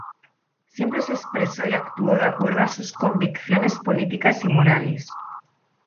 Siempre se expresó y actuó de acuerdo a sus convicciones políticas y morales.